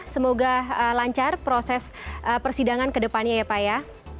semoga lancar proses persidangan kedepannya ya pak ya